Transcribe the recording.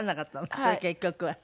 それ結局は。